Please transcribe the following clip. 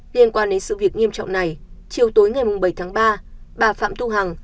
liên quan đến sự việc nghiêm trọng này chiều tối ngày bảy tháng ba bà phạm thu hằng